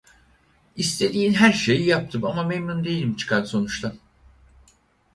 İstediğin her şeyi yaptım, ama memnun değilim çıkan sonuçtan.